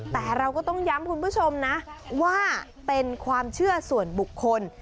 แต่เราก็ต้องย้ำคุณผู้ชมนะว่าเป็นความเชื่อส่วนบุคคล